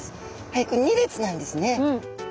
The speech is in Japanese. はい２列なんですね。